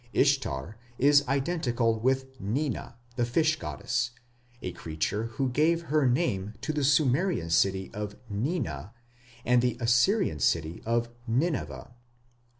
Ishtar is identical with Nina, the fish goddess, a creature who gave her name to the Sumerian city of Nina and the Assyrian city of Nineveh.